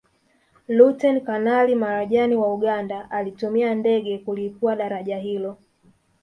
Luteni Kanali Marajani wa Uganda alitumia ndege kulipua daraja hilo